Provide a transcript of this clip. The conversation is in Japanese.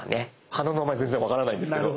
花の名前全然分からないんですけど。